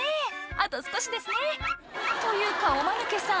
あと少しですねというかおマヌケさん